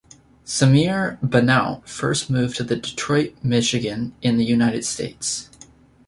Samir Bannout first moved to Detroit, Michigan, in the United States.